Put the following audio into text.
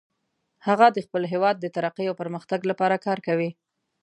هغه د خپل هیواد د ترقۍ او پرمختګ لپاره کار کوي